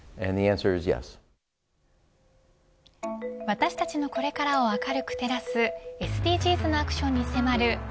私たちのこれからを明るく照らすＳＤＧｓなアクションに迫る＃